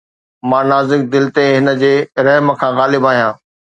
مان نازڪ دل تي هن جي رحم کان غالب آهيان